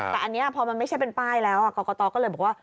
แต่อันนี้พอมันไม่ใช่เป็นป้ายแล้วกรกตก็เลยบอกว่า